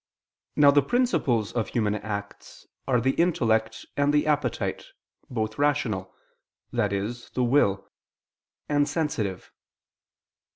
Now the principles of human acts are the intellect, and the appetite, both rational (i.e. the will) and sensitive.